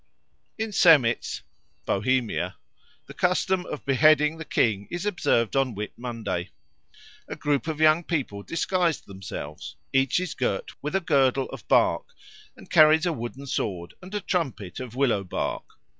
In Semic (Bohemia) the custom of beheading the King is observed on Whit Monday. A troop of young people disguise themselves; each is girt with a girdle of bark and carries a wooden sword and a trumpet of willow bark.